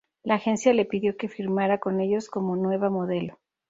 La agencia le pidió que firmara con ellos como nueva modelo.